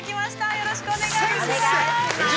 よろしくお願いします。